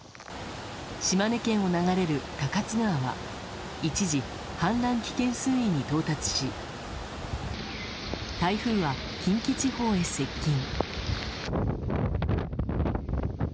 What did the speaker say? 島根県を流れる高津川は一時、氾濫危険水位に到達し台風は近畿地方へ接近。